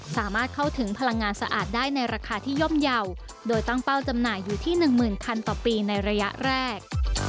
สามารถเข้าถึงพลังงานสะอาดได้ในราคาที่ย่อมเยาว์โดยตั้งเป้าจำหน่ายอยู่ที่๑๐๐๐คันต่อปีในระยะแรก